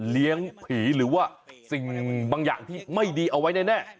ผีหรือว่าสิ่งบางอย่างที่ไม่ดีเอาไว้แน่